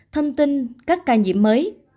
thông tin các ca nhiễm mới